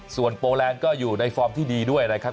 ส่วนโปรแลนด์ก็อยู่ในฟอร์มที่ดีด้วยนะครับ